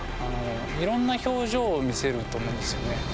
いろんな表情を見せると思うんですよね。